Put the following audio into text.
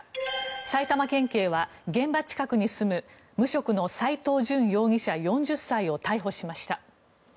埼玉県警は現場近くに住む無職の斎藤淳容疑者、４０歳を逮捕しました。